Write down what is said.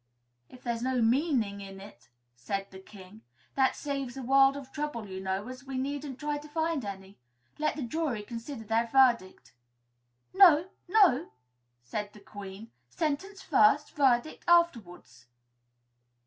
"If there's no meaning in it," said the King, "that saves a world of trouble, you know, as we needn't try to find any. Let the jury consider their verdict." "No, no!" said the Queen. "Sentence first verdict afterwards."